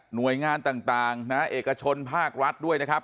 หน่วยงานต่างนะเอกชนภาครัฐด้วยนะครับ